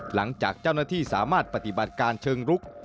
หลังจากเจ้าหน้าที่สามารถปฏิบัติการเชิงรุก